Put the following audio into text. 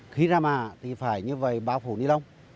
cái trang mà thì phải như vậy bao phủ nilon